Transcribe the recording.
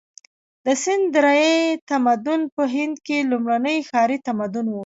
د سند درې تمدن په هند کې لومړنی ښاري تمدن و.